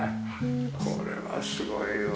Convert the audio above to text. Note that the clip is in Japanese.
これはすごいわ。